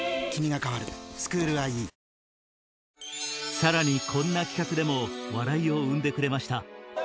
さらにこんな企画でも笑いを生んでくれました